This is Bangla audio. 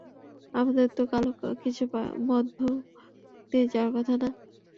আমাদের তো কালো কিছুর মধ্য দিয়ে যাওয়ার কথা না?